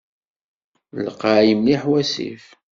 Lqay mliḥ wasif.